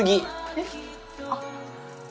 えっあっ。